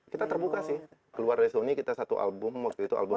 kita terbuka sih keluar dari sony kita satu album waktu itu album ke enam